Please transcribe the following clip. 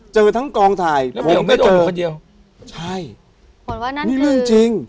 เจอทั้งกองถ่ายแล้วพี่เมียวก็เจอใช่หมดว่านั่นคือนี่เรื่องจริง